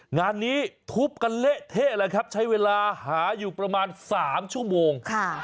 งานนี้ทุบกันเละเทะเลยครับใช้เวลาหาอยู่ประมาณ๓ชั่วโมง